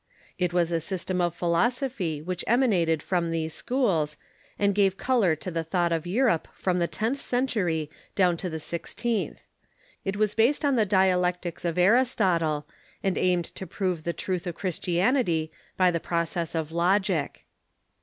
It was a system of philosophy which emanated from those schools, and gave color to the thought of Europe from the tenth century down to the six teenth. It was based on the dialectics of Aristotle, and aimed to prove the truth of Christianity by the process of logic.